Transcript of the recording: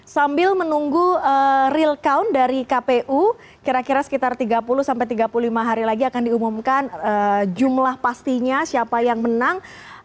sambil menunggu real count dari kpu kira kira sekitar tiga puluh sampai tiga puluh lima hari lagi akan diumumkan jumlah pastinya siapa yang menang